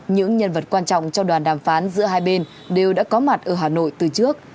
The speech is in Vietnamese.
những nhân vật quan trọng cho đoàn đàm phán giữa hai bên đều đã có mặt ở hà nội từ trước